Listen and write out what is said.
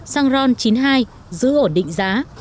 xăng ron chín mươi hai giữ ổn định giá